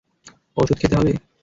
ওষুধ খেতে হবে?